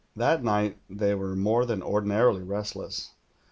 That night they were more than ordinarily restless.